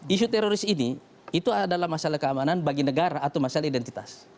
isu teroris ini itu adalah masalah keamanan bagi negara atau masalah identitas